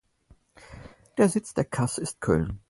Der Sitz der Kasse ist Köln.